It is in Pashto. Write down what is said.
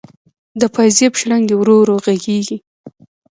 د پایزیب شرنګ دی ورو ورو ږغیږې